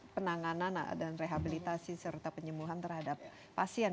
penanganan dan rehabilitasi serta penyembuhan terhadap pasien